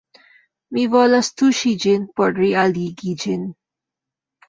Mi volas tuŝi ĝin por realigi ĝin